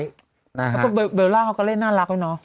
แล้วคุณเบลล่าเขาก็เล่นน่ารักแล้วเนาะ